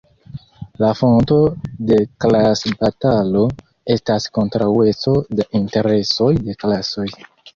La fonto de klasbatalo estas kontraŭeco de interesoj de klasoj.